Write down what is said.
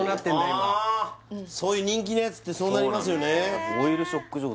今そういう人気のやつってそうなりますよね